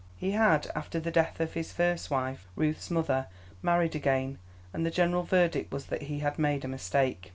He had, after the death of his first wife, Ruth's mother, married again, and the general verdict was that he had made a mistake.